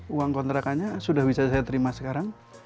uang kontrakannya sudah bisa saya terima sekarang